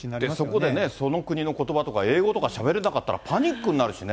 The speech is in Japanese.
そこで、その国のことばとか、英語とかしゃべれなかったら、パニックになるしね。